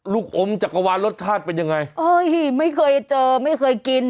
อมจักรวาลรสชาติเป็นยังไงเอ้ยไม่เคยเจอไม่เคยกิน